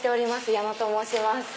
矢野と申します。